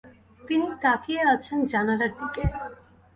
তিনি তাকিয়ে আছেন জানালার দিকে।